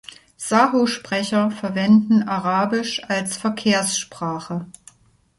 Saho-Sprecher verwenden Arabisch als Verkehrssprache.